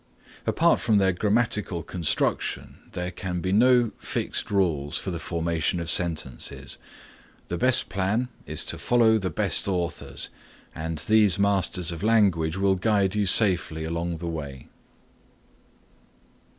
Apart from their grammatical construction there can be no fixed rules for the formation of sentences. The best plan is to follow the best authors and these masters of language will guide you safely along the way.